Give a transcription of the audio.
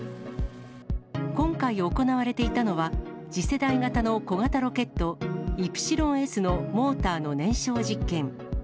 今回行われていたのは、次世代型の小型ロケット、イプシロンＳのモーターの燃焼実験。